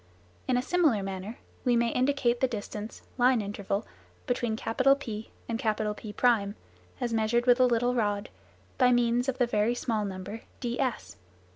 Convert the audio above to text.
In a similar manner we may indicate the distance (line interval) between P and P1, as measured with a little rod, by means of the very small number ds.